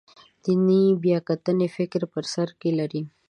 دیني بیاکتنې فکر په سر کې لري.